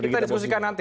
kita diskusikan nanti